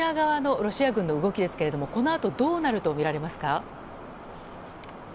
ロシア軍の動きですけれどもこのあと、どうなるとみられますか？